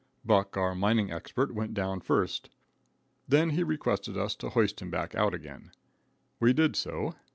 Buck, our mining expert, went down first. Then he requested us to hoist him out again. We did so.